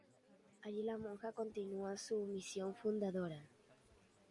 Allí la monja continúa su misión fundadora.